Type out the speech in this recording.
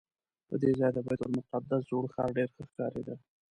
له دې ځایه د بیت المقدس زوړ ښار ډېر ښه ښکارېده.